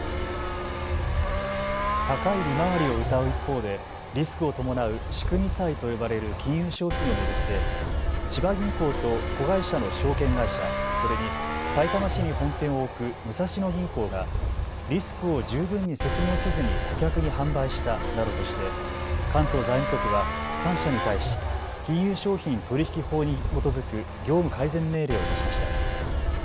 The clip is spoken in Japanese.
高い利回りをうたう一方でリスクを伴う仕組み債と呼ばれる金融商品を巡って千葉銀行と子会社の証券会社、それにさいたま市に本店を置く武蔵野銀行がリスクを十分に説明せずに顧客に販売したなどとして関東財務局は３社に対し金融商品取引法に基づく業務改善命令を出しました。